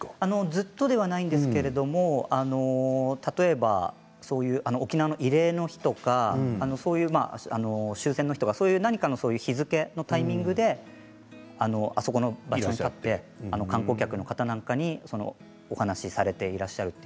ずっとではないですけれど例えば沖縄慰霊の日とか終戦の日とか何かの日付のタイミングであそこの場所に立って観光客の方なんかにお話をされていらっしゃいます。